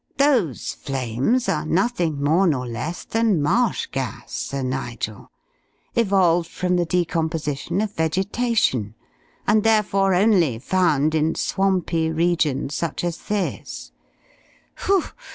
Those flames are nothing more nor less than marsh gas, Sir Nigel, evolved from the decomposition of vegetation, and therefore only found in swampy regions such as this.